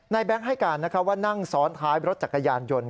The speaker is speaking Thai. แบงค์ให้การว่านั่งซ้อนท้ายรถจักรยานยนต์